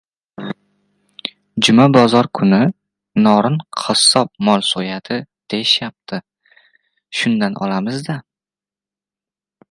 — Juma bozor kuni Norin qassob mol so‘yadi deyishayapti, shundan olamiz-da.